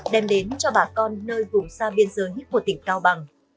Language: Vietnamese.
đem đến cho bà con nơi vùng xa biên giới nhất của tỉnh cao bằng